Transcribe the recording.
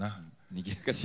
にぎやかし？